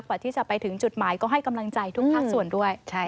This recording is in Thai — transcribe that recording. กว่าที่จะไปถึงจุดหมายก็ให้กำลังใจทุกภาคส่วนด้วย